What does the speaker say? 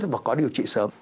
và có điều trị sớm